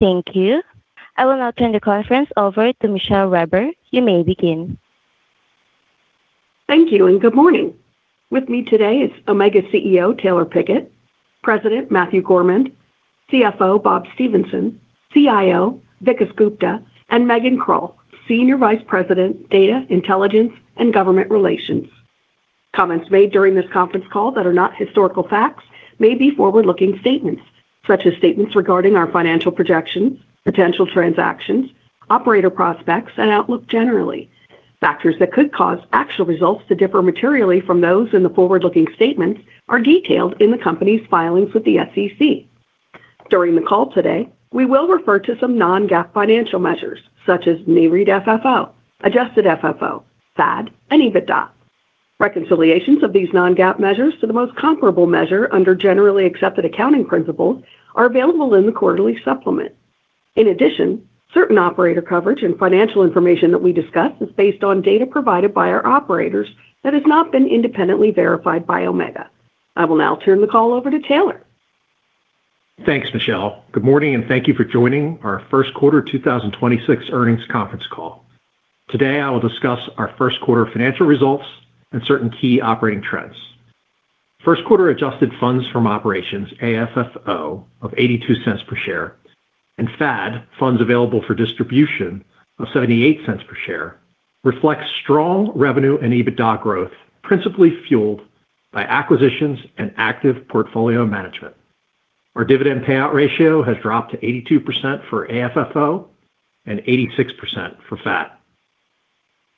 Thank you. I will now turn the conference over to Michele Reber. You may begin. Thank you. Good morning. With me today are Omega CEO Taylor Pickett, President Matthew Gourmand, CFO Bob Stephenson, CIO Vikas Gupta, and Megan Krull, Senior Vice President, Data, Intelligence, and Government Relations. Comments made during this conference call that are not historical facts may be forward-looking statements, such as statements regarding our financial projections, potential transactions, operator prospects, and outlook generally. Factors that could cause actual results to differ materially from those in the forward-looking statements are detailed in the company's filings with the SEC. During the call today, we will refer to some non-GAAP financial measures, such as Nareit FFO, Adjusted FFO, FAD, and EBITDA. Reconciliations of these non-GAAP measures to the most comparable measure under Generally Accepted Accounting Principles are available in the quarterly supplement. Certain operator coverage and financial information that we discuss is based on data provided by our operators that has not been independently verified by Omega. I will now turn the call over to Taylor. Thanks, Michele. Good morning. Thank you for joining our first quarter 2026 earnings conference call. Today, I will discuss our first-quarter financial results and certain key operating trends. First-quarter Adjusted FFO (AFFO) of $0.82 per share and FAD (funds available for distribution) of $0.78 per share reflect strong revenue and EBITDA growth, principally fueled by acquisitions and active portfolio management. Our dividend payout ratio has dropped to 82% for AFFO and 86% for FAD.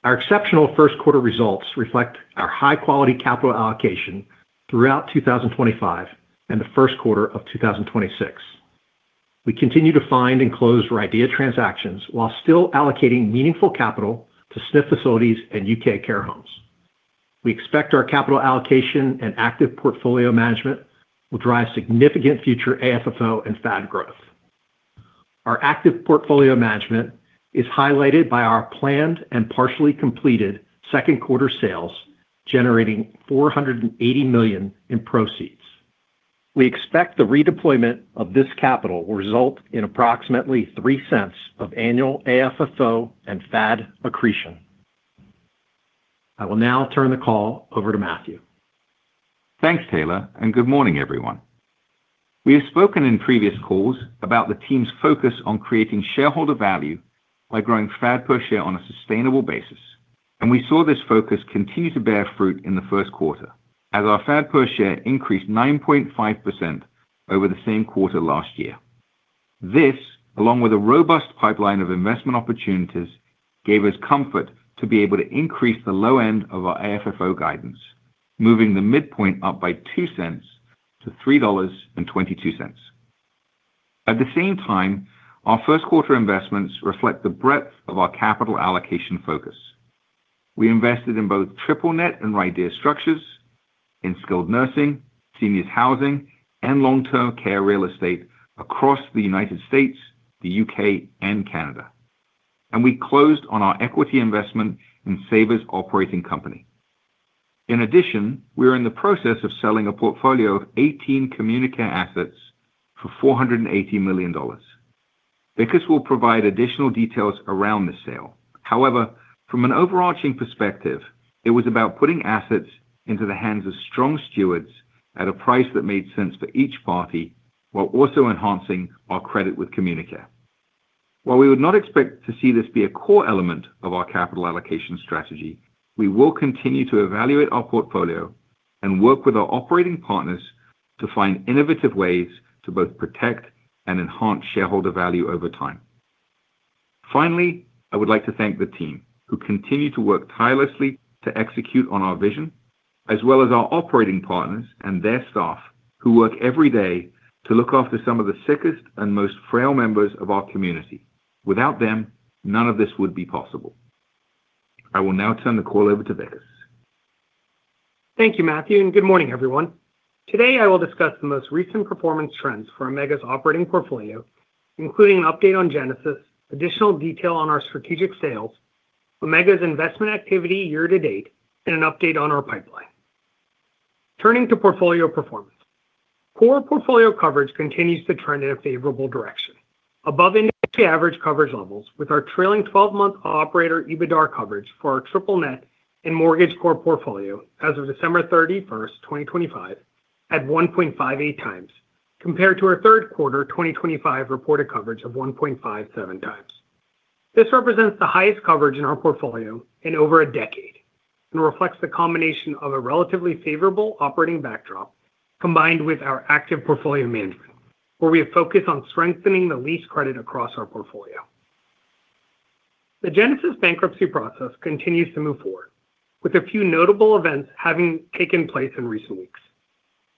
Our exceptional first-quarter results reflect our high-quality capital allocation throughout 2025 and the first quarter of 2026. We continue to find and close RIDEA transactions while still allocating meaningful capital to SNF facilities and U.K. care homes. We expect our capital allocation and active portfolio management will drive significant future AFFO and FAD growth. Our active portfolio management is highlighted by our planned and partially completed second-quarter sales, generating $480 million in proceeds. We expect the redeployment of this capital will result in approximately $0.03 of annual AFFO and FAD accretion. I will now turn the call over to Matthew. Thanks, Taylor. Good morning, everyone. We have spoken in previous calls about the team's focus on creating shareholder value by growing FAD per share on a sustainable basis. We saw this focus continue to bear fruit in the first quarter as our FAD per share increased 9.5% over the same quarter last year. This, along with a robust pipeline of investment opportunities, gave us comfort to be able to increase the low end of our AFFO guidance, moving the midpoint up by $0.02 to $3.22. At the same time, our first-quarter investments reflect the breadth of our capital allocation focus. We invested in both triple net and RIDEA structures in skilled nursing, senior housing, and long-term care real estate across the U.S., the U.K., and Canada. We closed on our equity investment in Saber Healthcare Holdings, LLC. In addition, we are in the process of selling a portfolio of 18 CommuniCare assets for $480 million. Vikas will provide additional details about the sale. However, from an overarching perspective, it was about putting assets into the hands of strong stewards at a price that made sense for each party while also enhancing our credit with CommuniCare. While we would not expect this to be a core element of our capital allocation strategy, we will continue to evaluate our portfolio and work with our operating partners to find innovative ways to both protect and enhance shareholder value over time. Finally, I would like to thank the team who continue to work tirelessly to execute our vision, as well as our operating partners and their staff who work every day to look after some of the sickest and most frail members of our community. Without them, none of this would be possible. I will now turn the call over to Vikas. Thank you, Matthew Gourmand, and good morning, everyone. Today, I will discuss the most recent performance trends for Omega's operating portfolio, including an update on Genesis, additional detail on our strategic sales, Omega's investment activity year to date, and an update on our pipeline. Turning to portfolio performance, core portfolio coverage continues to trend in a favorable direction above industry average coverage levels, with our trailing 12-month operator EBITDAR coverage for our triple net and mortgage core portfolio as of December 31st, 2025, at 1.58 times, compared to our third quarter 2025 reported coverage of 1.57 times. This represents the highest coverage in our portfolio in over a decade and reflects the combination of a relatively favorable operating backdrop combined with our active portfolio management, where we have focused on strengthening the lease credit across our portfolio. The Genesis bankruptcy process continues to move forward, with a few notable events having taken place in recent weeks.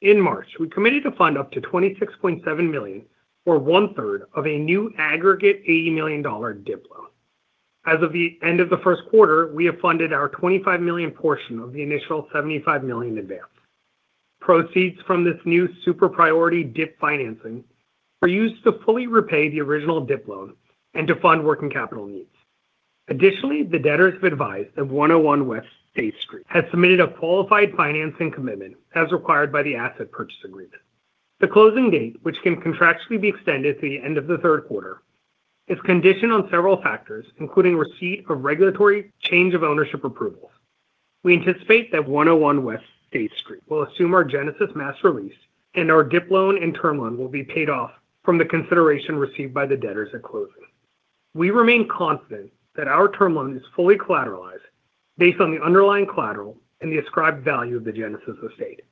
In March, we committed to fund up to $26.7 million, or one-third of a new aggregate $80 million DIP loan. As of the end of the first quarter, we have funded our $25 million portion of the initial $75 million advance. Proceeds from this new super priority DIP financing were used to fully repay the original DIP loan and to fund working capital needs. Additionally, the debtor has been advised that 101 West State Street has submitted a qualified financing commitment as required by the asset purchase agreement. The closing date, which can contractually be extended to the end of the third quarter, is conditioned on several factors, including receipt of regulatory change of ownership approvals. We anticipate that 101 West State Street will assume our Genesis master lease, and our DIP loan and term loan will be paid off from the consideration received by the debtors at closing. We remain confident that our term loan is fully collateralized based on the underlying collateral and the ascribed value of the Genesis estate.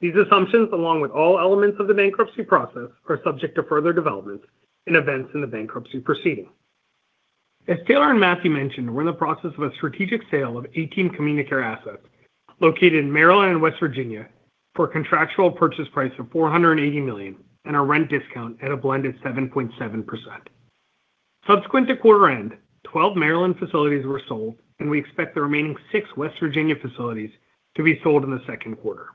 These assumptions, along with all elements of the bankruptcy process, are subject to further developments and events in the bankruptcy proceeding. As Taylor and Matthew mentioned, we are in the process of a strategic sale of 18 CommuniCare assets located in Maryland and West Virginia for a contractual purchase price of $480 million and a rent discount at a blended 7.7%. Subsequent to quarter end, 12 Maryland facilities were sold, and we expect the remaining 6 West Virginia facilities to be sold in the second quarter.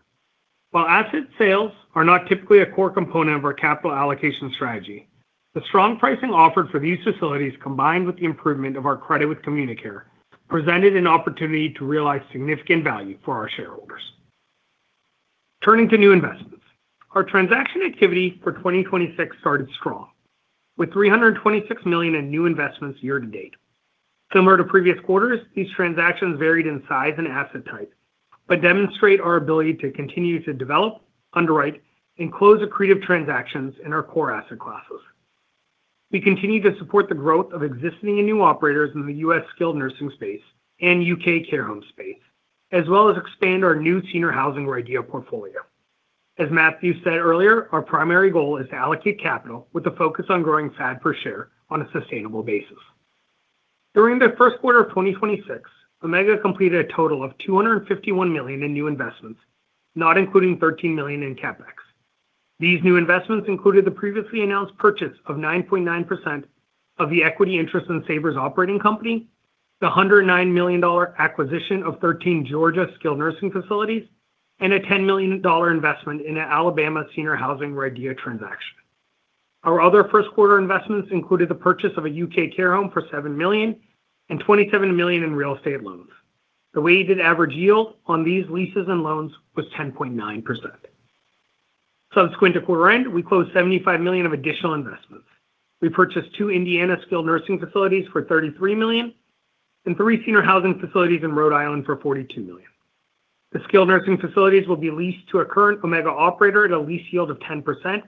While asset sales are not typically a core component of our capital allocation strategy, the strong pricing offered for these facilities, combined with the improvement of our credit with CommuniCare, presented an opportunity to realize significant value for our shareholders. Turning to new investments, our transaction activity for 2026 started strong with $326 million in new investments year to date. Similar to previous quarters, these transactions varied in size and asset type but demonstrate our ability to continue to develop, underwrite, and close accretive transactions in our core asset classes. We continue to support the growth of existing and new operators in the U.S. skilled nursing space and U.K. care home space, as well as expand our new senior housing RIDEA portfolio. As Matthew said earlier, our primary goal is to allocate capital with a focus on growing FAD per share on a sustainable basis. During the first quarter of 2026, Omega completed a total of $251 million in new investments, not including $13 million in CapEx. These new investments included the previously announced purchase of 9.9% of the equity interest in Saber's operating company, the $109 million acquisition of 13 Georgia skilled nursing facilities, and a $10 million investment in an Alabama senior housing RIDEA transaction. Our other first-quarter investments included the purchase of a U.K. care home for $7 million and $27 million in real estate loans. The weighted-average yield on these leases and loans was 10.9%. Subsequent to quarter-end, we closed $75 million of additional investments. We purchased two Indiana skilled nursing facilities for $33 million and three senior housing facilities in Rhode Island for $42 million. The skilled nursing facilities will be leased to a current Omega operator at a lease yield of 10%.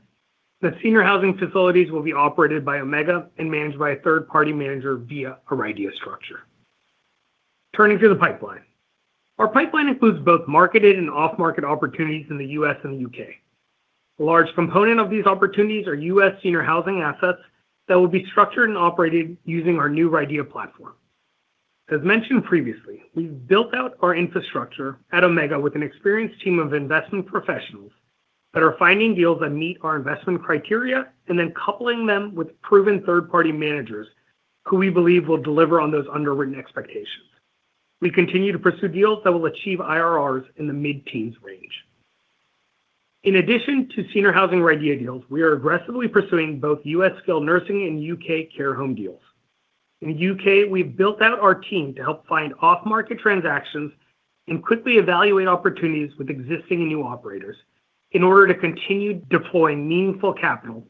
The senior housing facilities will be operated by Omega and managed by a third-party manager via a RIDEA structure. Turning to the pipeline, our pipeline includes both marketed and off-market opportunities in the U.S. and the U.K. A large component of these opportunities are U.S. senior housing assets that will be structured and operated using our new RIDEA platform. As mentioned previously, we've built out our infrastructure at Omega with an experienced team of investment professionals that are finding deals that meet our investment criteria and then coupling them with proven third-party managers who we believe will deliver on those underwritten expectations. We continue to pursue deals that will achieve IRRs in the mid-teens range. In addition to senior housing RIDEA deals, we are aggressively pursuing both U.S. skilled nursing and U.K. care home deals. In the U.K., we've built out our team to help find off-market transactions and quickly evaluate opportunities with existing and new operators in order to continue deploying meaningful capital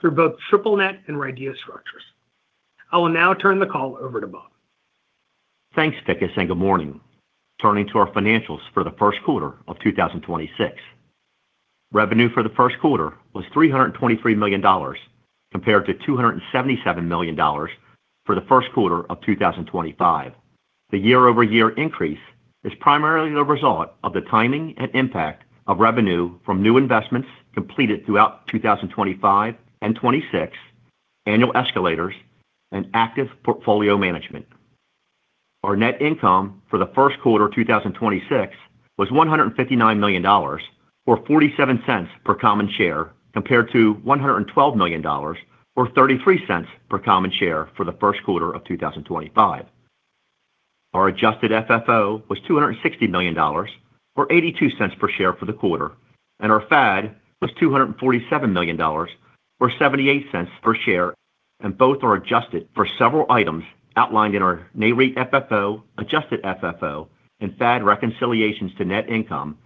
through both triple net and RIDEA structures. I will now turn the call over to Bob. Thanks, Vikas, and good morning. Turning to our financials for the first quarter of 2026, revenue for the first quarter was $323 million compared to $277 million for the first quarter of 2025. The year-over-year increase is primarily the result of the timing and impact of revenue from new investments completed throughout 2025 and 2026, annual escalators, and active portfolio management. Our net income for the first quarter of 2026 was $159 million, or $0.47 per common share, compared to $112 million, or $0.33 per common share for the first quarter of 2025. Our Adjusted FFO was $260 million, or $0.82 per share for the quarter. Our FAD was $247 million, or $0.78 per share. Both are adjusted for several items outlined in our Nareit FFO, Adjusted FFO, and FAD reconciliations to net income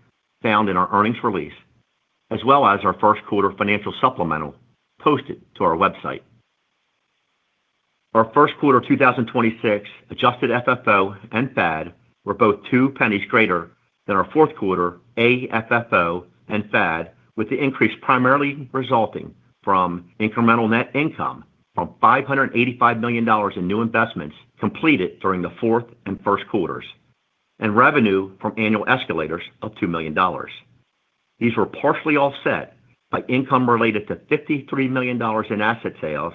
found in our earnings release, as well as our first-quarter financial supplemental posted to our website. Our first-quarter 2026 Adjusted FFO and FAD were both $0.02 greater than our fourth-quarter AFFO and FAD, with the increase primarily resulting from incremental net income from $585 million in new investments completed during the fourth and first quarters and revenue from annual escalators of $2 million. These were partially offset by income related to $53 million in asset sales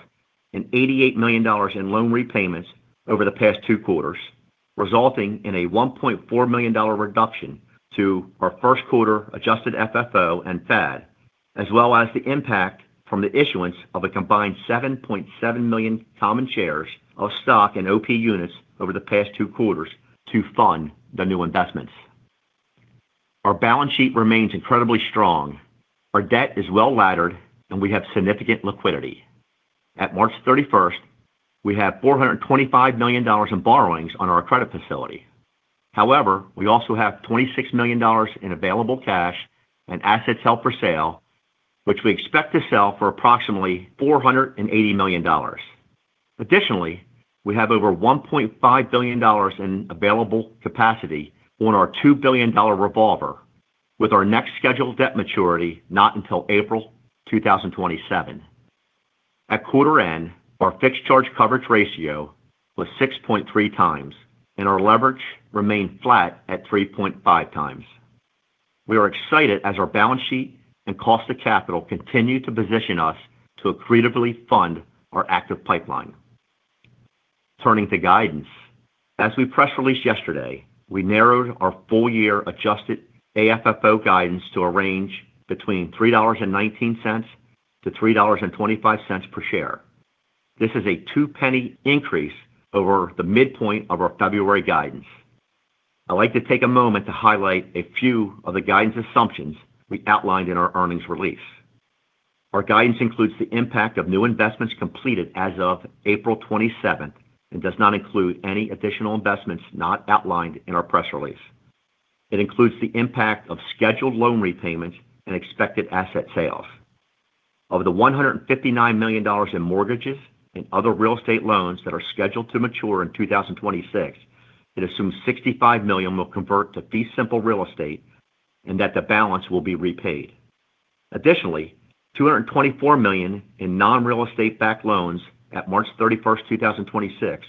and $88 million in loan repayments over the past two quarters, resulting in a $1.4 million reduction to our first-quarter Adjusted FFO and FAD, as well as the impact from the issuance of a combined 7.7 million common shares of stock and OP units over the past two quarters to fund the new investments. Our balance sheet remains incredibly strong. Our debt is well-laddered, and we have significant liquidity. As of March 31st, we have $425 million in borrowings on our credit facility. However, we also have $26 million in available cash and assets held for sale, which we expect to sell for approximately $480 million. Additionally, we have over $1.5 billion in available capacity on our $2 billion revolver, with our next scheduled debt maturity not until April 2027. At quarter end, our fixed charge coverage ratio was 6.3 times, and our leverage remained flat at 3.5 times. We are excited as our balance sheet and cost of capital continue to position us to accretively fund our active pipeline. Turning to guidance, as we press released yesterday, we narrowed our full-year Adjusted FFO guidance to a range between $3.19 and $3.25 per share. This is a $0.02 increase over the midpoint of our February guidance. I'd like to take a moment to highlight a few of the guidance assumptions we outlined in our earnings release. Our guidance includes the impact of new investments completed as of April 27th and does not include any additional investments not outlined in our press release. It includes the impact of scheduled loan repayments and expected asset sales. Of the $159 million in mortgages and other real estate loans that are scheduled to mature in 2026, it assumes $65 million will convert to fee simple real estate and that the balance will be repaid. Additionally, $224 million in non-real estate-backed loans as of March 31, 2026,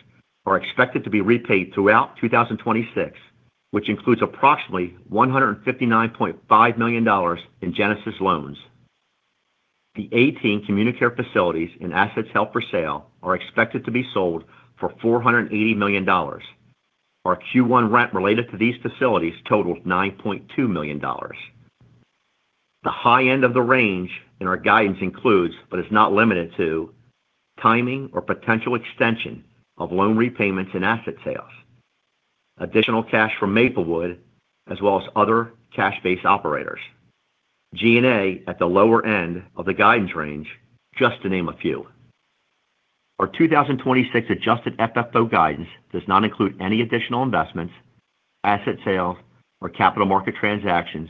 are expected to be repaid throughout 2026, which includes approximately $159.5 million in Genesis loans. The 18 CommuniCare facilities and assets held for sale are expected to be sold for $480 million. Our Q1 rent related to these facilities totaled $9.2 million. The high end of the range in our guidance includes, but is not limited to, the timing or potential extension of loan repayments and asset sales, additional cash from Maplewood, as well as other cash-based operators, and G&A at the lower end of the guidance range, just to name a few. Our 2026 adjusted FFO guidance does not include any additional investments, asset sales, or capital market transactions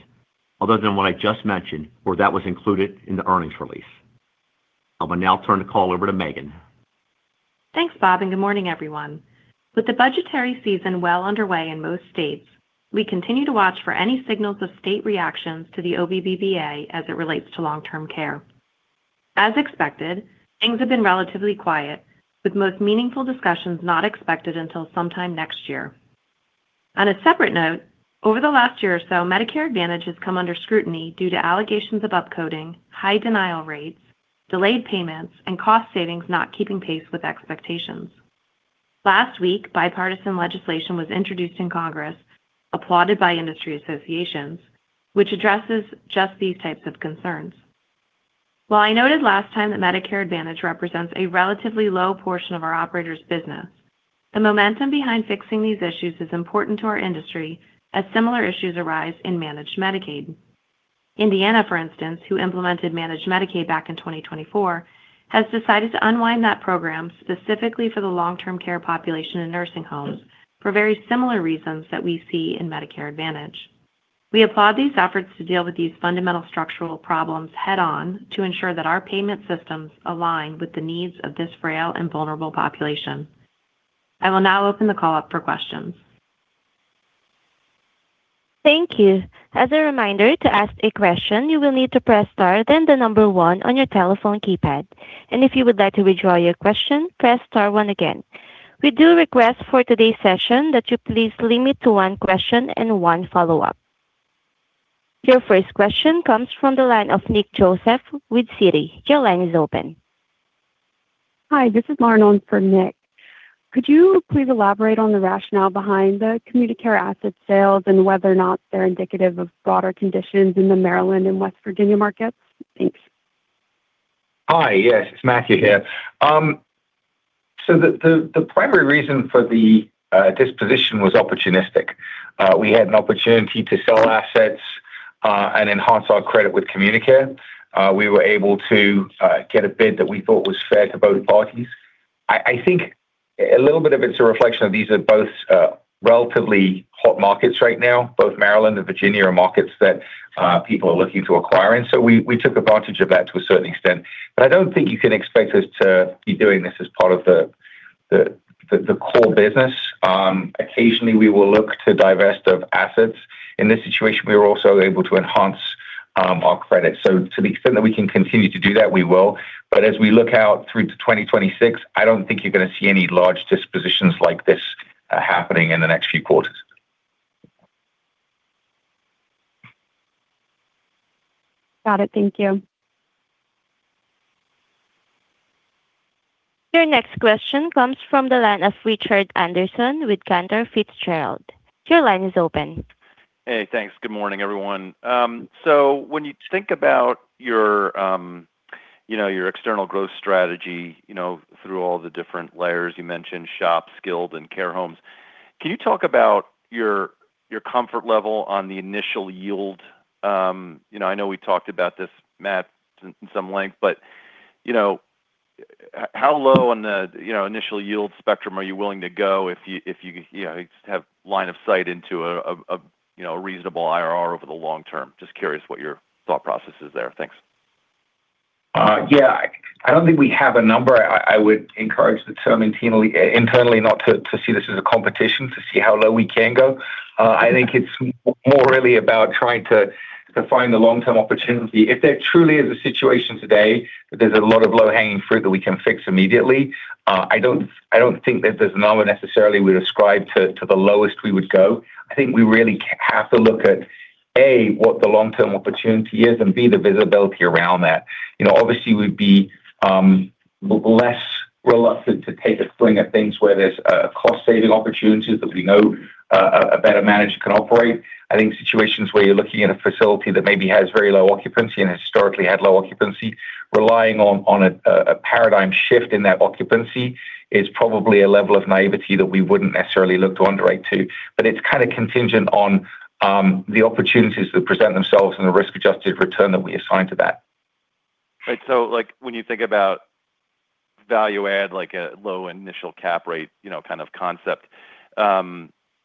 other than what I just mentioned or what was included in the earnings release. I will now turn the call over to Megan. Thanks, Bob. Good morning, everyone. With the budgetary season well underway in most states, we continue to watch for any signals of state reactions to the OVVBA as it relates to long-term care. As expected, things have been relatively quiet, with most meaningful discussions not expected until sometime next year. On a separate note, over the last year or so, Medicare Advantage has come under scrutiny due to allegations of upcoding, high denial rates, delayed payments, and cost savings not keeping pace with expectations. Last week, bipartisan legislation was introduced in Congress, applauded by industry associations, which addresses just these types of concerns. While I noted last time that Medicare Advantage represents a relatively low portion of our operators' business, the momentum behind fixing these issues is important to our industry as similar issues arise in Managed Medicaid. Indiana, for instance, which implemented Managed Medicaid back in 2024, has decided to unwind that program specifically for the long-term care population in nursing homes for very similar reasons that we see in Medicare Advantage. We applaud these efforts to deal with these fundamental structural problems head-on to ensure that our payment systems align with the needs of this frail and vulnerable population. I will now open the call up for questions. Thank you. As a reminder, to ask a question, you will need to press star, then the number 1 on your telephone keypad. If you would like to withdraw your question, press star 1 again. We do request for today's session that you please limit it to 1 question and 1 follow-up. Your first question comes from the line of Nick Joseph with Citi. Your line is open. Hi, this is Lauren, on for Nick. Could you please elaborate on the rationale behind the CommuniCare asset sales and whether or not they're indicative of broader conditions in the Maryland and West Virginia markets? Thanks. Hi. Yes, it's Matthew here. The primary reason for the disposition was opportunistic. We had an opportunity to sell assets and enhance our credit with CommuniCare. We were able to get a bid that we thought was fair to both parties. I think a little bit of it is a reflection of these are both relatively hot markets right now. Both Maryland and Virginia are markets that people are looking to acquire in. We took advantage of that to a certain extent. I don't think you can expect us to be doing this as part of the core business. Occasionally, we will look to divest assets. In this situation, we were also able to enhance our credit. To the extent that we can continue to do that, we will. As we look out to 2026, I don't think you're going to see any large dispositions like this happening in the next few quarters. Got it. Thank you. Your next question comes from Richard Anderson with Cantor Fitzgerald. Your line is open. Hey, thanks. Good morning, everyone. When you think about your, you know, your external growth strategy, you know, through all the different layers you mentioned, SHOP, skilled, and care homes, can you talk about your comfort level on the initial yield? You know, I know we talked about this, Matt, at some length, but, you know, how low on the, you know, initial yield spectrum are you willing to go if you have a line of sight into a, you know, a reasonable IRR over the long term? Just curious what your thought process is there. Thanks. Yeah. I don't think we have a number. I would encourage the team internally not to see this as a competition to see how low we can go. I think it's more really about trying to find the long-term opportunity. If there truly is a situation today where there's a lot of low-hanging fruit that we can fix immediately, I don't think that there's a number necessarily we'd ascribe to the lowest we would go. I think we really have to look at, A, what the long-term opportunity is, and B, the visibility around that. You know, obviously, we'd be less reluctant to take a swing at things where there are cost-saving opportunities that we know a better manager can operate. I think situations where you're looking at a facility that maybe has very low occupancy and historically had low occupancy, relying on a paradigm shift in that occupancy is probably a level of naivety that we wouldn't necessarily look to underwrite. It's kind of contingent on the opportunities that present themselves and the risk-adjusted return that we assign to that. Right. Like, when you think about value add, like a low initial cap rate concept,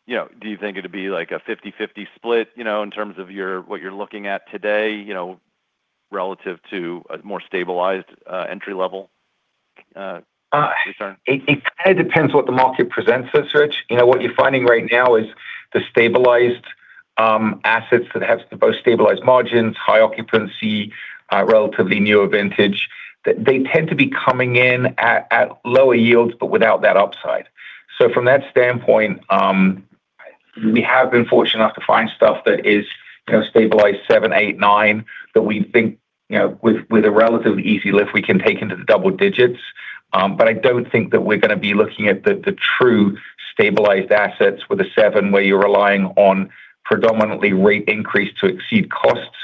do you think it'd be a 50/50 split in terms of what you're looking at today, relative to a more stabilized, entry-level return? It kind of depends on what the market presents us, Rich. You know, what you're finding right now is that the stabilized assets with the most stabilized margins, high occupancy, and relatively newer vintage tend to be coming in at lower yields, but without that upside. From that standpoint, we have been fortunate enough to find stuff that is, you know, stabilized at 7, 8, 9 that we think, with a relatively easy lift, we can take into the double digits. I don't think that we're going to be looking at the true stabilized assets with a 7, where you're relying on predominantly rate increases to exceed costs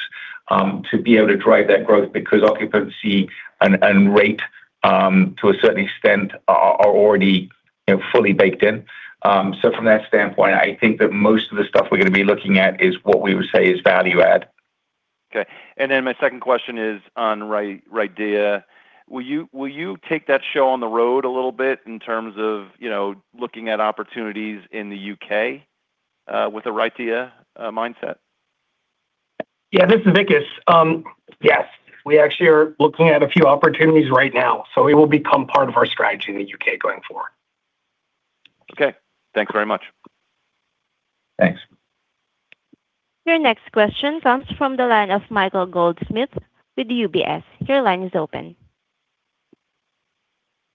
to be able to drive that growth because occupancy and rate, to a certain extent, are already, you know, fully baked in. From that standpoint, I think that most of the stuff we're going to be looking at is what we would call value-add. Okay. My second question is on RIDEA. Will you take that show on the road a little bit in terms of, you know, looking at opportunities in the U.K. with a RIDEA mindset? Yeah, this is Vikas. Yes, we are actually looking at a few opportunities right now, so it will become part of our strategy in the U.K. going forward. Okay. Thanks very much. Thanks. Your next question comes from Michael Goldsmith with UBS. Your line is open.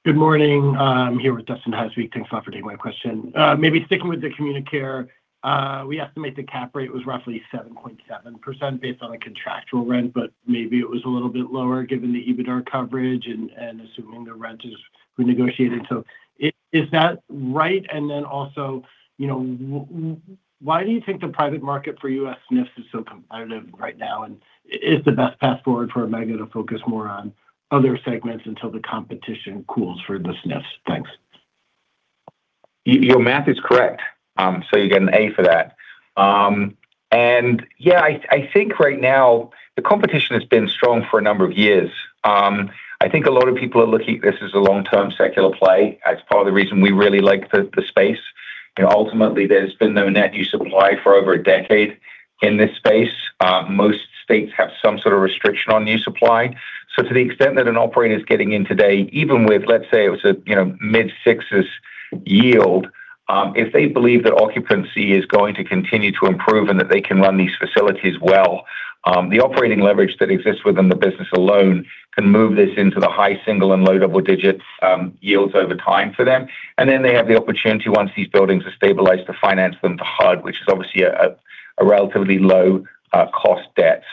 Good morning. I'm here with Dustin Hausvik. Thanks a lot for taking my question. Maybe sticking with CommuniCare, we estimate the cap rate was roughly 7.7% based on the contractual rent, but perhaps it was a little bit lower given the EBITDA coverage and assuming the rent is renegotiated. Is that right? Also, you know, why do you think the private market for U.S. SNFs is so competitive right now? Is the best path forward for Omega to focus more on other segments until the competition cools for the SNFs? Thanks. Your math is correct, so you get an A for that. Yeah, I think right now the competition has been strong for a number of years. I think a lot of people are looking at this as a long-term secular play. That's part of the reason we really like the space. You know, ultimately, there's been no net new supply for over a decade in this space. Most states have some sort of restriction on new supply. To the extent that an operator is getting in today, even with, let's say, a mid-6s yield, if they believe that occupancy is going to continue to improve and that they can run these facilities well, the operating leverage that exists within the business alone can move this into high single and low double-digit yields over time for them. They have the opportunity, once these buildings are stabilized, to finance them through HUD, which is obviously a relatively low-cost debt.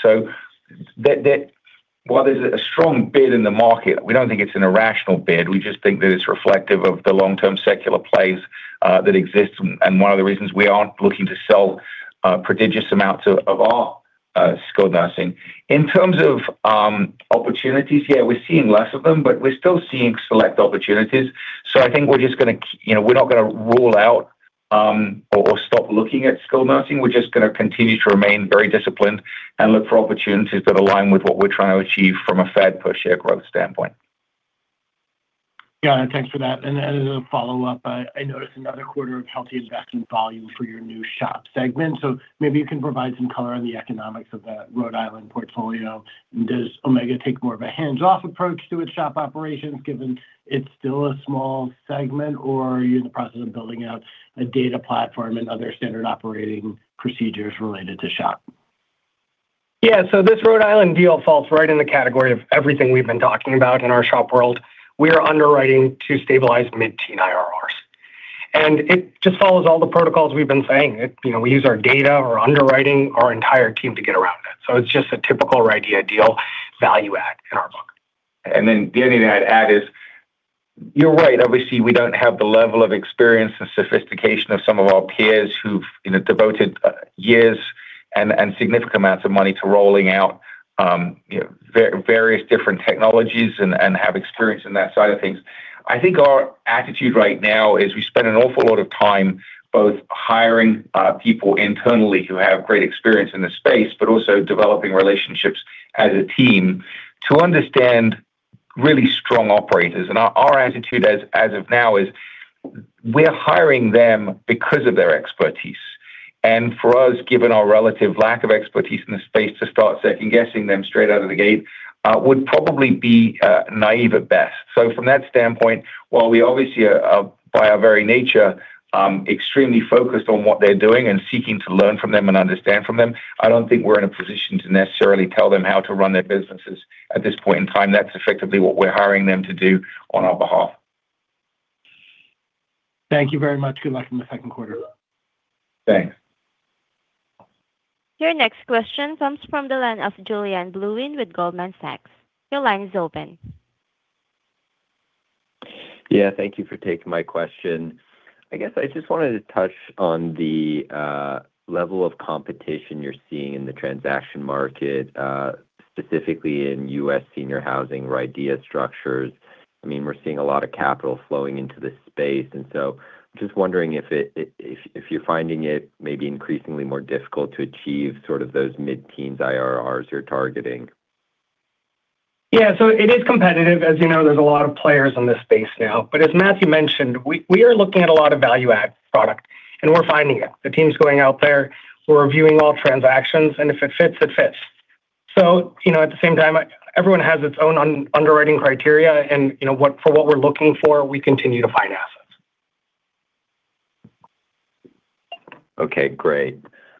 While there's a strong bid in the market, we don't think it's an irrational bid. We just think that it's reflective of the long-term secular plays that exist, and one of the reasons we aren't looking to sell prodigious amounts of our skilled nursing. In terms of opportunities, yeah, we're seeing fewer of them, but we're still seeing select opportunities. I think we're just going to, you know, we're not going to rule out or stop looking at skilled nursing. We're just going to continue to remain very disciplined and look for opportunities that align with what we're trying to achieve from a FAD per share growth standpoint. Got it. Thanks for that. As a follow-up, I noticed another quarter of healthy investment volume for your new SHOP segment. Maybe you can provide some color on the economics of that Rhode Island portfolio. Does Omega take more of a hands-off approach to its SHOP operations, given it's still a small segment? Or are you in the process of building out a data platform and other standard operating procedures related to SHOP? Yeah. This Rhode Island deal falls right into the category of everything we've been talking about in our SHOP world. We are underwriting to stabilize mid-teen IRRs. It just follows all the protocols we've been discussing. You know, we use our data, our underwriting, and our entire team to achieve that. It's just a typical RIDEA deal value-add in our book. The only thing I'd add is, you're right. Obviously, we don't have the level of experience and sophistication of some of our peers who've, you know, devoted years and significant amounts of money to rolling out various different technologies and have experience in that side of things. I think our attitude right now is we spend an awful lot of time both hiring people internally who have great experience in this space, but also developing relationships as a team to understand really strong operators. Our attitude as of now is we're hiring them because of their expertise. For us, given our relative lack of expertise in this space, to start second-guessing them straight out of the gate would probably be naive at best. From that standpoint, while we obviously are, by our very nature, extremely focused on what they're doing and seeking to learn from them and understand them, I don't think we're in a position to necessarily tell them how to run their businesses at this point in time. That's effectively what we're hiring them to do on our behalf. Thank you very much. Good luck in the second quarter. Thanks. Your next question comes from Julien Blouin with Goldman Sachs. Your line is open. Yeah, thank you for taking my question. I guess I just wanted to touch on the level of competition you're seeing in the transaction market, specifically in U.S. senior housing or RIDEA structures. I mean, we're seeing a lot of capital flowing into this space. I'm just wondering if you're finding it increasingly more difficult to achieve those mid-teens IRRs you're targeting. Yeah, it is competitive. As you know, there are a lot of players in this space now. As Matthew mentioned, we are looking at a lot of value-add products, and we're finding them. The team's going out there. We're reviewing all transactions, and if it fits, it fits. You know, at the same time, everyone has their own underwriting criteria, and, you know, for what we're looking for, we continue to find assets. Okay, great.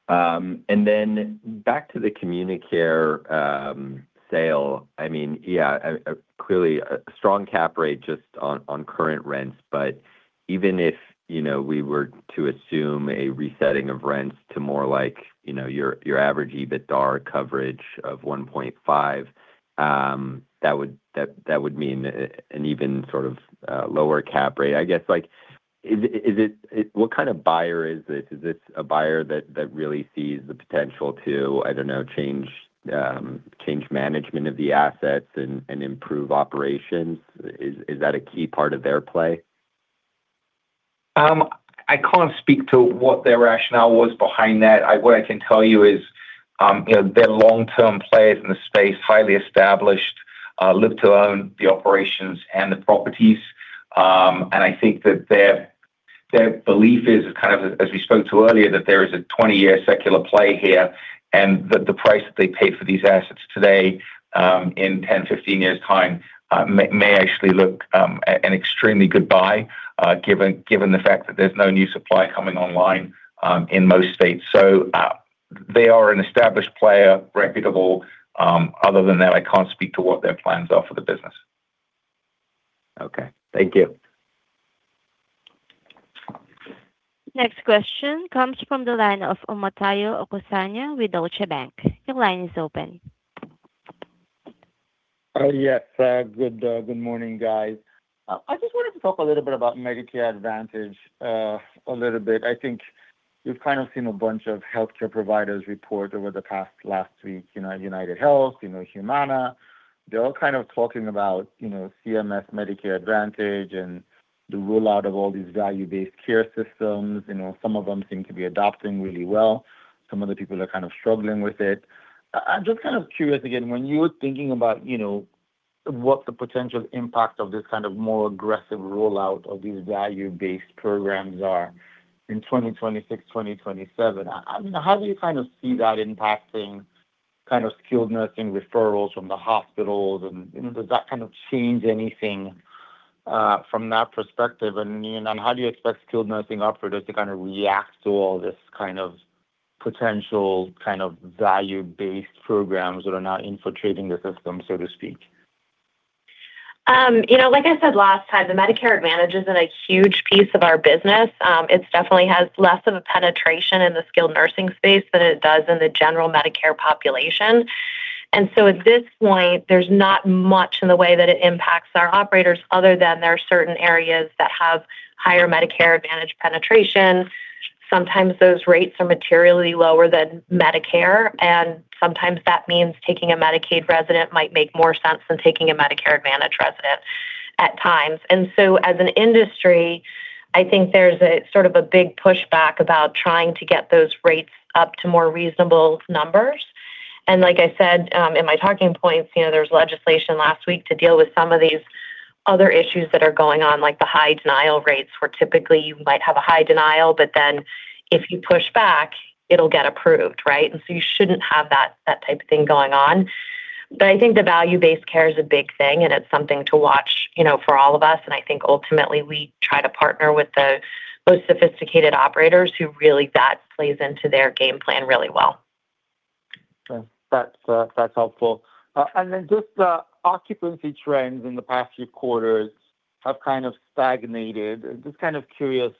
Then back to the CommuniCare sale. I mean, yeah, clearly a strong cap rate just on current rents. Even if, you know, we were to assume a resetting of rents to more like, you know, your average EBITDA coverage of 1.5, that would mean an even lower cap rate. I guess, what kind of buyer is this? Is this a buyer that really sees the potential to, I don't know, change management of the assets and improve operations? Is that a key part of their play? I can't speak to what their rationale was behind that. What I can tell you is, you know, they're long-term players in the space, highly established, and look to own the operations and the properties. I think that their belief is, as we spoke about earlier, that there is a 20-year secular play here and that the price they paid for these assets today, in 10 or 15 years' time, may actually look like an extremely good buy, given the fact that there's no new supply coming online in most states. They are an established, reputable player. Other than that, I can't speak to what their plans are for the business. Okay. Thank you. The next question comes from Omotayo Okusanya with Deutsche Bank. Your line is open. Yes. Good morning, guys. I just wanted to talk a little bit about Medicare Advantage. I think we've kind of seen a bunch of healthcare providers report over the last week, you know, UnitedHealth, Humana. They're all kind of talking about CMS Medicare Advantage and the rollout of all these value-based care systems. Some of them seem to be adapting really well. Some of the people are kind of struggling with it. I'm just kind of curious, again, when you were thinking about, you know, what the potential impact of this kind of more aggressive rollout of these value-based programs is in 2026, 2027, I mean, how do you kind of see that impacting skilled nursing referrals from the hospitals, and, you know, does that kind of change anything from that perspective? How do you expect skilled nursing operators to kind of react to all these potential value-based programs that are now infiltrating the system, so to speak? You know, like I said last time, Medicare Advantage isn't a huge piece of our business. It definitely has less penetration in the skilled nursing space than it does in the general Medicare population. At this point, there's not much in the way that it impacts our operators, other than there are certain areas that have higher Medicare Advantage penetration. Sometimes those rates are materially lower than Medicare, and sometimes that means taking a Medicaid resident might make more sense than taking a Medicare Advantage resident at times. As an industry, I think there's a sort of a big pushback about trying to get those rates up to more reasonable numbers. As I said in my talking points, you know, there was legislation last week to deal with some of these other issues that are going on, like the high denial rates, where typically you might have a high denial, but then if you push back, it'll get approved, right? You shouldn't have that type of thing going on. I think value-based care is a big thing, and it's something to watch, you know, for all of us. I think ultimately we try to partner with the most sophisticated operators, and that plays into their game plan really well. Okay, that's helpful. Just the occupancy trends in the past few quarters have kind of stagnated. Just kind of curious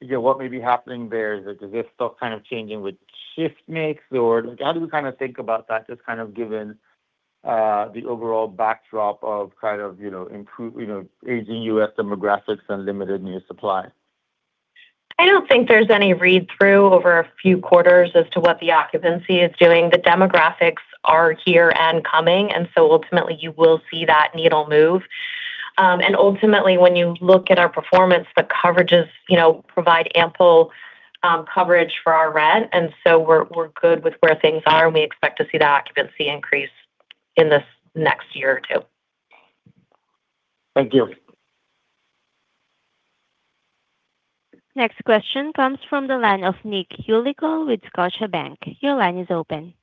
what may be happening there. Is this stuff kind of changing with shift mix, or like how do we kind of think about that, just kind of given the overall backdrop of, you know, aging U.S. demographics and limited new supply? I don't think there's any read-through over a few quarters as to what the occupancy is doing. The demographics are here and coming, so ultimately you will see that needle move. Ultimately, when you look at our performance, the coverages, you know, provide ample coverage for our rent. We're good with where things are, and we expect to see the occupancy increase in this next year or two. Thank you. The next question comes from the line of Nicholas Yulico with Scotiabank. Your line is open.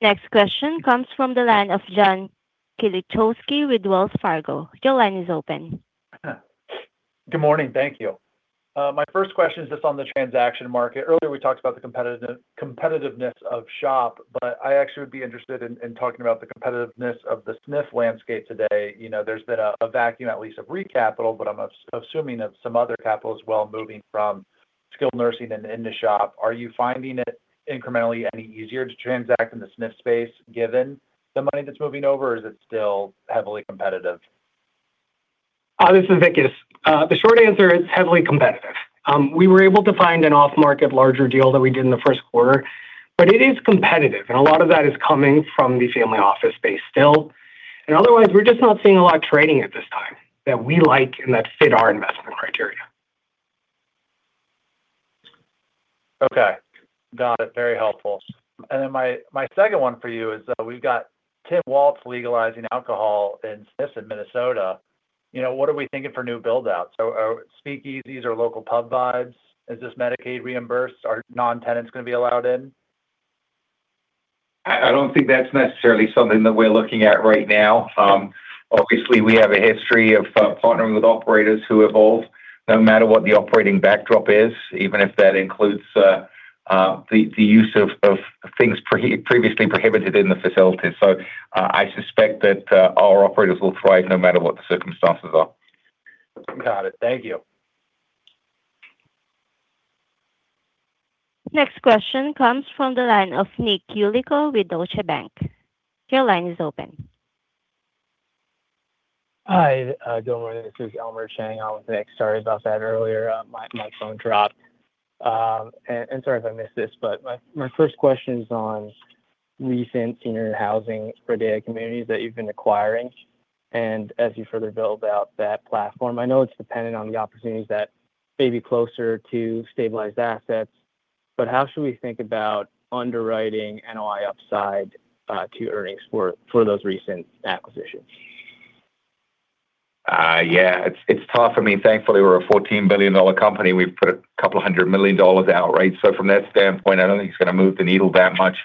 The next question comes from the line of John Kilichowski with Wells Fargo. Your line is open. Good morning. Thank you. My first question is just on the transaction market. Earlier, we talked about the competitiveness of SHOP. I actually would be interested in talking about the competitiveness of the SNF landscape today. You know, there's been a vacuum, at least of recapital, I'm assuming, of some other capital as well, moving from skilled nursing in the SHOP. Are you finding it incrementally any easier to transact in the SNF space given the money that's moving over, or is it still heavily competitive? This is Vikas. The short answer is, it's heavily competitive. We were able to find a larger off-market deal than we did in the first quarter, but it is competitive, and a lot of that is still coming from the family office space. Otherwise, we're just not seeing a lot of trading at this time that we like and that fits our investment criteria. Okay, got it. Very helpful. My second one for you is, we've got Tim Walz legalizing alcohol in SNFs in Minnesota. You know, what are we thinking for new build-outs? Speakeasies or local pub vibes? Is this Medicaid reimbursed? Are non-tenants going to be allowed in? I don't think that's necessarily something we're looking at right now. Obviously, we have a history of partnering with operators who evolve no matter what the operating backdrop is, even if that includes the use of things previously prohibited in the facility. I suspect that our operators will thrive no matter what the circumstances are. Got it. Thank you. Next question comes from the line of Nicholas Yulico with Deutsche Bank. Your line is open. Hi, good morning. This is Elmer Chang with Nick. Sorry about that earlier. My phone dropped. Sorry if I missed this, but my first question is on recent senior housing for-sale communities that you've been acquiring and as you further build out that platform. I know it's dependent on the opportunities that may be closer to stabilized assets. How should we think about underwriting NOI upside to earnings for those recent acquisitions? Yeah, it's tough. I mean, thankfully, we're a $14 billion company. We've put a couple hundred million dollars out, right? From that standpoint, I don't think it's going to move the needle that much.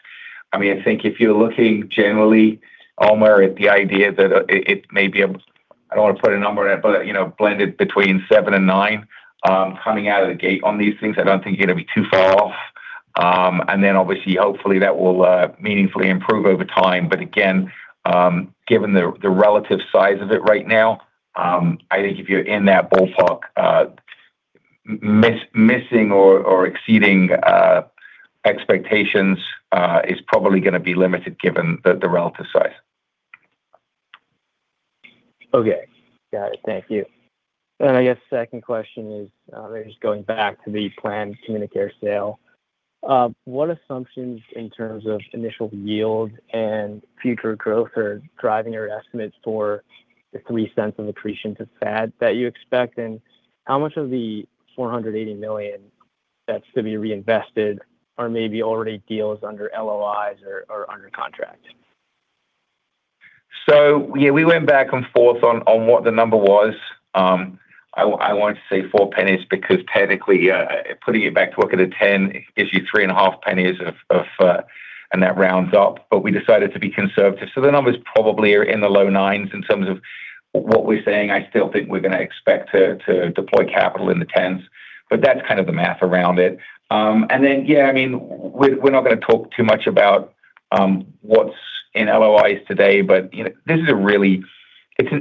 I mean, I think if you're looking generally, Elmer, at the idea that I don't want to put a number on it, but, you know, blended between 7 and 9 coming out of the gate on these things, I don't think you're going to be too far off. Obviously, hopefully, that will meaningfully improve over time. Again, given the relative size of it right now, I think if you're in that ballpark, missing or exceeding expectations is probably going to be limited given the relative size. Okay. Got it. Thank you. I guess the second question is, just going back to the planned CommuniCare sale. What assumptions in terms of initial yield and future growth are driving your estimates for the $0.03 of accretion to FAD that you expect? How much of the $480 million that's to be reinvested are maybe already deals under LOIs or under contract? Yeah, we went back and forth on what the number was. I won't say $0.04 because technically, putting it back to look at a 10 gives you three and a half pennies, and that rounds up, but we decided to be conservative. The numbers probably are in the low 9s in terms of what we're saying. I still think we're going to expect to deploy capital in the 10s, but that's kind of the math around it. Yeah, I mean, we're not going to talk too much about what's in LOIs today. You know, this is a really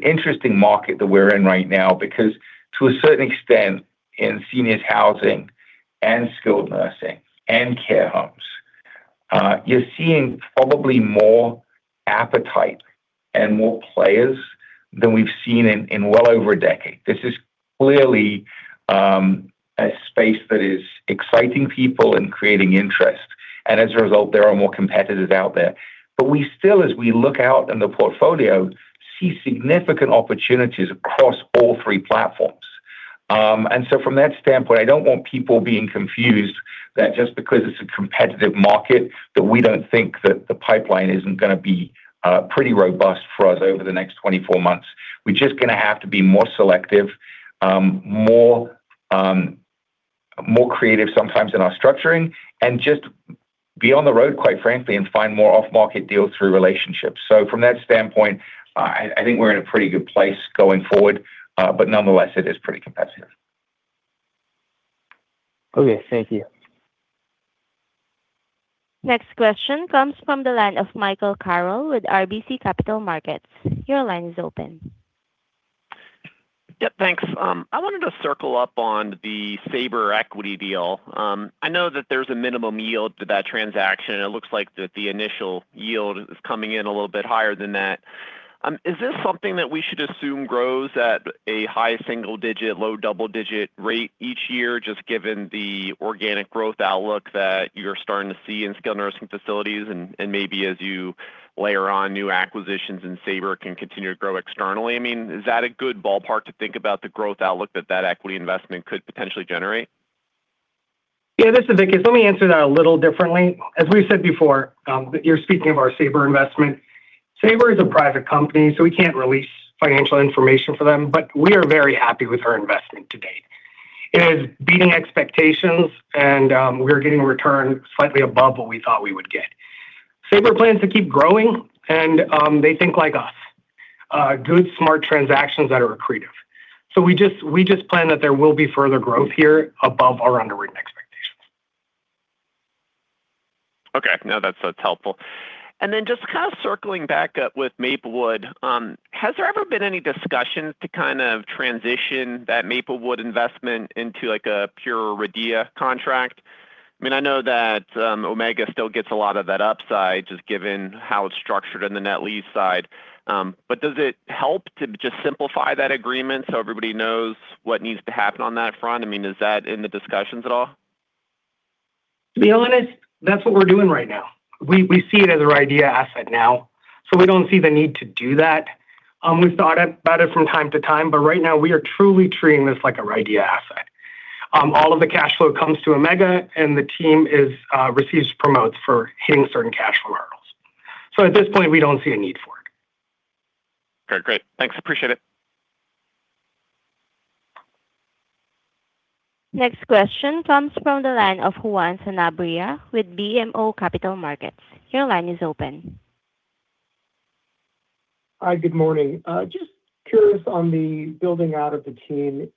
interesting market that we're in right now because to a certain extent in seniors housing and skilled nursing and care homes, you're seeing probably more appetite and more players than we've seen in well over a decade. This is clearly a space that is exciting people and creating interest. As a result, there are more competitors out there. We still, as we look out in the portfolio, see significant opportunities across all three platforms. From that standpoint, I don't want people being confused that just because it's a competitive market that we don't think that the pipeline isn't going to be pretty robust for us over the next 24 months. We're just going to have to be more selective, more creative sometimes in our structuring, and just be on the road, quite frankly, and find more off-market deals through relationships. From that standpoint, I think we're in a pretty good place going forward, but nonetheless, it is pretty competitive. Okay. Thank you. The next question comes from Michael Carroll with RBC Capital Markets. Your line is open. Yeah, this is Vikas. Let me answer that a little differently. As we said before, you're speaking of our Saber investment. Saber is a private company; we can't release financial information for them. We are very happy with our investment to date. It is beating expectations, and we're getting a return slightly above what we thought we would get. Saber plans to keep growing, and they think like us: good, smart transactions that are accretive. We just plan that there will be further growth here above our underwriting expectations. Okay. No, that's helpful. Just kind of circling back up with Maplewood, have there ever been any discussions to kind of transition that Maplewood investment into like a pure RIDEA contract? I mean, I know that Omega still gets a lot of that upside just given how it's structured on the net lease side. Does it help to just simplify that agreement so everybody knows what needs to happen on that front? I mean, is that in the discussions at all? To be honest, that's what we're doing right now. We see it as a RIDEA asset now; we don't see the need to do that. We've thought about it from time to time. Right now, we are truly treating this like a RIDEA asset. All of the cash flow comes to Omega, and the team receives promotes for hitting certain cash flow hurdles. At this point, we don't see a need for it. Okay. Great. Thanks. Appreciate it. The next question comes from the line of Juan Sanabria with BMO Capital Markets. Your line is open. Hi. Good morning. Just curious about the team building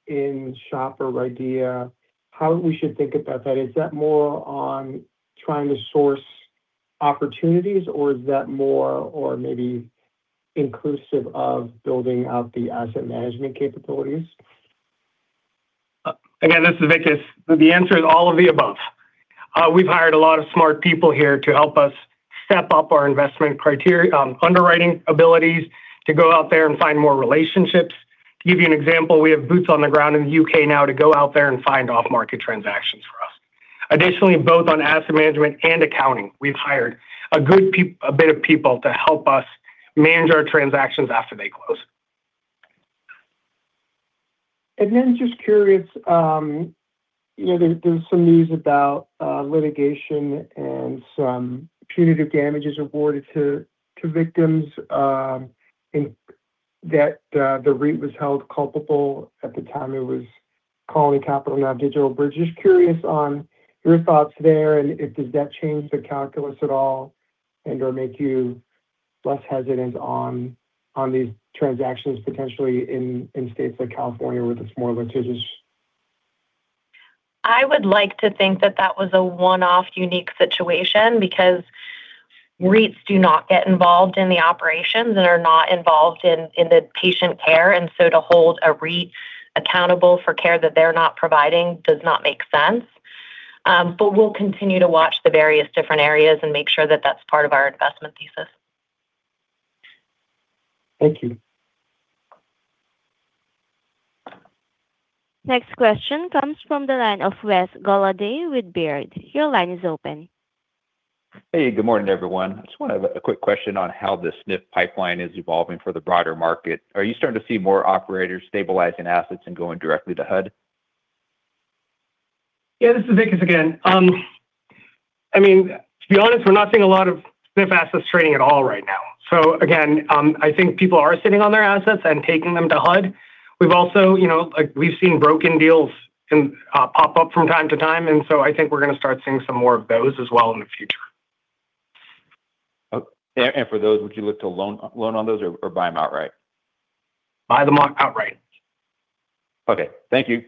in SHP or RIDEA, how we should think about that. Is that more about trying to source opportunities, or is that more inclusive of building out the asset management capabilities? Again, this is Vikas. The answer is all of the above. We've hired a lot of smart people here to help us step up our investment criteria and underwriting abilities to go out there and find more relationships. To give you an example, we have boots on the ground in the UK now to go out there and find off-market transactions for us. Additionally, in both asset management and accounting, we've hired a number of people to help us manage our transactions after they close. Just curious, you know, there's some news about litigation and some punitive damages awarded to victims, that the REIT was held culpable at the time it was Colony Capital, now DigitalBridge. Just curious on your thoughts there and if that changes the calculus at all and/or makes you less hesitant on these transactions potentially in states like California, where there's more litigation? I would like to think that was a one-off, unique situation because REITs do not get involved in operations and are not involved in patient care. To hold a REIT accountable for care that they're not providing does not make sense. We'll continue to watch the various different areas and make sure that that's part of our investment thesis. Thank you. The next question comes from the line of Wes Golladay with Baird. Your line is open. Hey, good morning, everyone. Just wanted to ask a quick question on how the SNF pipeline is evolving for the broader market. Are you starting to see more operators stabilizing assets and going directly to HUD? Yeah, this is Vikas again. To be honest, we're not seeing a lot of SNF assets trading at all right now. Again, I think people are sitting on their assets and taking them to HUD. We've also, you know, we've seen broken deals pop up from time to time, and so I think we're going to start seeing some more of those as well in the future. For those, would you look to loan or buy them outright? Buy them outright. Okay. Thank you.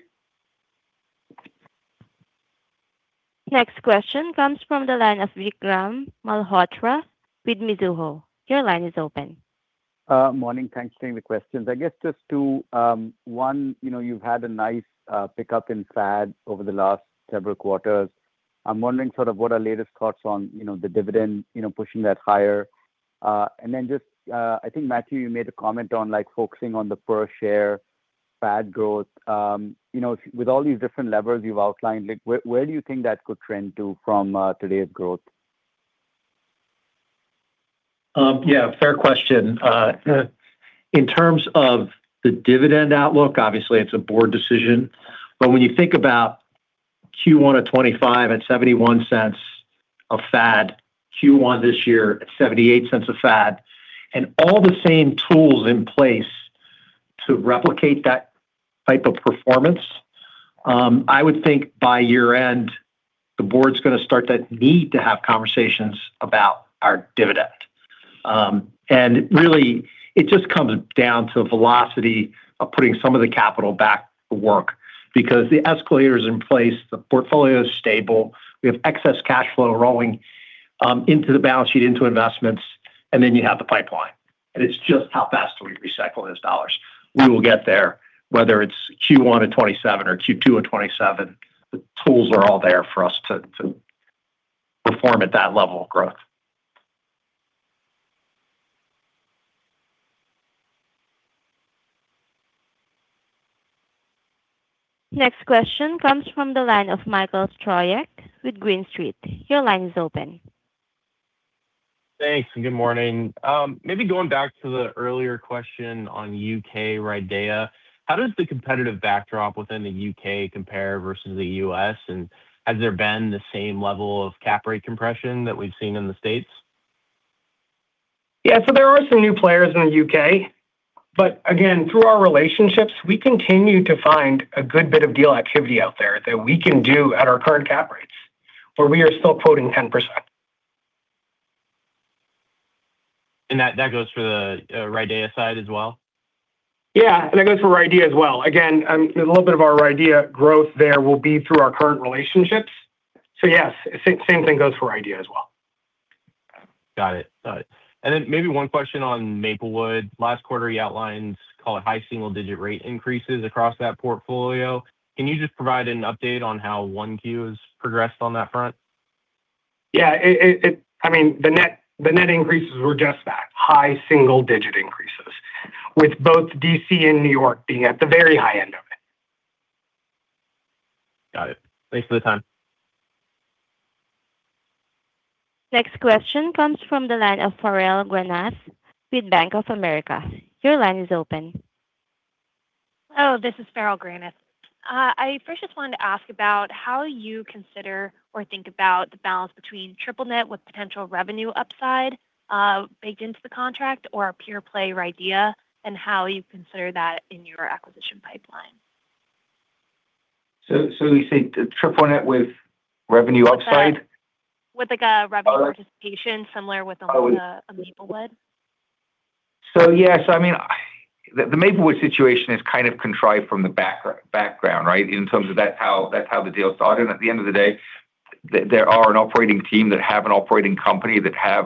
The next question comes from the line of Vikram Malhotra with Mizuho. Your line is open. Morning. Thanks for taking the questions. I guess, just to one, you know, you've had a nice pickup in FAD over the last several quarters. I'm wondering what your latest thoughts are on the dividend, you know, pushing that higher. Then, just, I think Matthew, you made a comment on focusing on the per share FAD growth. You know, with all these different levers you've outlined, where do you think that could trend from today's growth? Yeah, fair question. In terms of the dividend outlook, obviously it's a board decision. When you think about Q1 of 2025 at $0.71 of FAD, Q1 this year at $0.78 of FAD, and all the same tools in place to replicate that type of performance, I would think by year-end, the board's going to need to start having conversations about our dividend. It really just comes down to the velocity of putting some of the capital back to work because the escalator is in place, the portfolio is stable, we have excess cash flow rolling into the balance sheet, into investments, and then you have the pipeline. It's just how fast we recycle those dollars. We will get there, whether it's Q1 in 2027 or Q2 in 2027. The tools are all there for us to perform at that level of growth. The next question comes from the line of Michael Stroyeck with Green Street. Your line is open. Thanks, and good morning. Maybe going back to the earlier question on U.K. RIDEA, how does the competitive backdrop within the U.K. compare versus the U.S., and has there been the same level of cap rate compression that we've seen in the States? Yes, there are some new players in the U.K. Again, through our relationships, we continue to find a good deal of activity out there that we can do at our current cap rates, where we are still quoting 10%. That goes for the RIDEA side as well? Yeah, it goes for RIDEA as well. Again, a little bit of our RIDEA growth there will be through our current relationships. Yes, the same thing goes for RIDEA as well. Got it. Got it. Maybe one question on Maplewood. Last quarter, you outlined, call it, high single-digit rate increases across that portfolio. Can you just provide an update on how Q1 has progressed on that front? Yeah. It, I mean, the net increases were just that—high single-digit increases, with both D.C. and New York being at the very high end of it. Got it. Thanks for the time. The next question comes from Farrell Granath with Bank of America. Your line is open. Hello, this is Farrell Granath. I first just wanted to ask about how you consider or think about the balance between triple net with potential revenue upside baked into the contract or a pure-play RIDEA, and how you consider that in your acquisition pipeline? You say the triple net with revenue upside? With a revenue participation similar to Maplewood. Yes. I mean, the Maplewood situation is kind of contrived from the background, right? In terms of that's how the deal started. At the end of the day, there is an operating team that has an operating company that has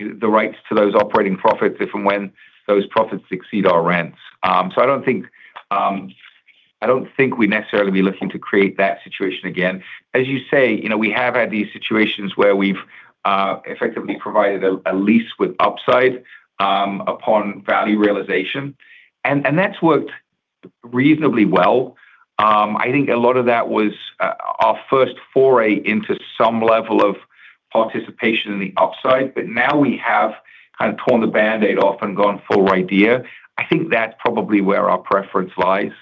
the rights to those operating profits if and when those profits exceed our rents. I don't think we'd necessarily be looking to create that situation again. As you say, you know, we have had these situations where we've effectively provided a lease with upside upon value realization. That's worked reasonably well. I think a lot of that was our first foray into some level of participation in the upside. Now we have kind of torn the Band-Aid off and gone full RIDEA. I think that's probably where our preference lies.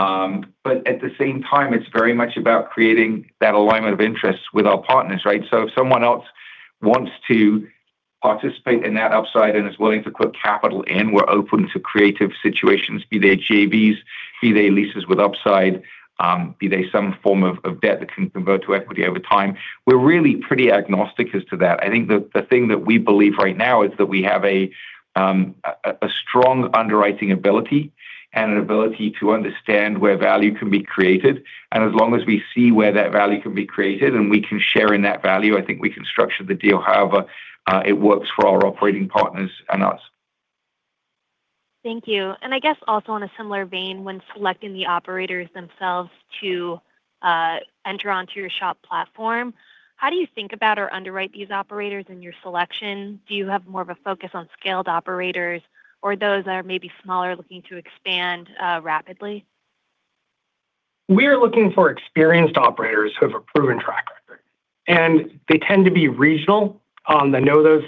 At the same time, it's very much about creating that alignment of interests with our partners, right? If someone else wants to participate in that upside and is willing to put capital in, we're open to creative situations, be they JVs, be they leases with upside, or be they some form of debt that can convert to equity over time. We're really pretty agnostic as to that. I think the thing that we believe right now is that we have strong underwriting ability and an ability to understand where value can be created. As long as we see where that value can be created and we can share in that value, I think we can structure the deal however it works for our operating partners and us. Thank you. I guess, also, in a similar vein, when selecting the operators themselves to enter onto your SHOP platform, how do you think about or underwrite these operators in your selection? Do you have more of a focus on scaled operators or those that are maybe smaller, looking to expand rapidly? We are looking for experienced operators who have a proven track record. They tend to be regional. They know those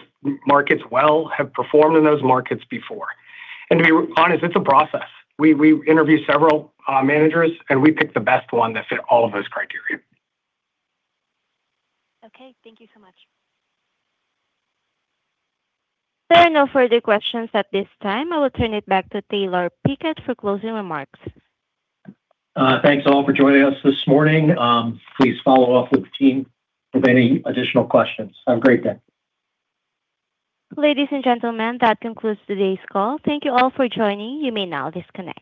markets well and have performed in those markets before. To be honest, it's a process. We interview several managers, and we pick the best one that fits all of those criteria. Okay. Thank you so much. There are no further questions at this time. I will turn it back to Taylor Pickett for closing remarks. Thanks all for joining us this morning. Please follow up with the team with any additional questions. Have a great day. Ladies and gentlemen, that concludes today's call. Thank you all for joining. You may now disconnect.